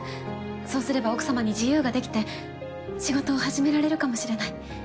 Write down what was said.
そうすれば奥様に自由が出来て仕事を始められるかもしれない。